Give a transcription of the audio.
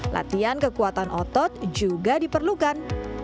latihan kekuatan otot juga diperlukan